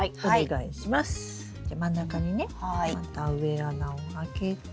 じゃ真ん中にねまた植え穴を開けて。